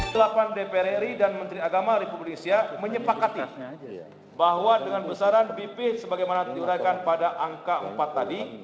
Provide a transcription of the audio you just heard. ketua komisi delapan dpr ri dan kementerian agama republik indonesia menyepakati bahwa dengan besaran bp sebagai mana diurangkan pada angka empat tadi